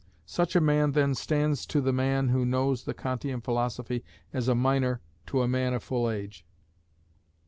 Such a man then stands to the man who knows the Kantian philosophy as a minor to a man of full age.